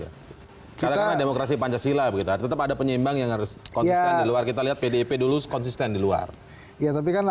ada demokrasi pancasila begitu tetap ada penyimbang yang harus kita lihat pdp dulu konsisten di luar ya